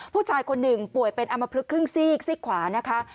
ผู้ชายคนหนึ่งป่วยเป็นอำมพลึกครึ่งซีกซี่ขวานะคะ